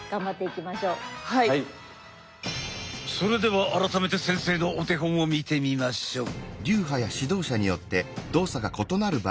それでは改めて先生のお手本を見てみましょう。